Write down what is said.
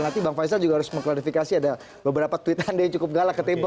nanti bang faisal juga harus mengklarifikasi ada beberapa tweet anda yang cukup galak ke tempo